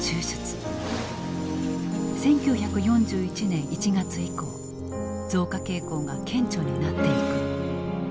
１９４１年１月以降増加傾向が顕著になっていく。